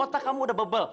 otak kamu udah bebel